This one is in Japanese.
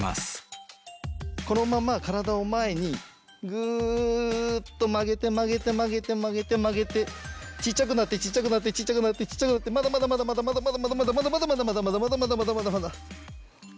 このまま体を前にグっと曲げて曲げて曲げて曲げて曲げてちっちゃくなってちっちゃくなってちっちゃくなってちっちゃくなってまだまだまだまだまだまだ。